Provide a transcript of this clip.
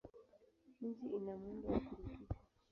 Nchi ina muundo wa shirikisho.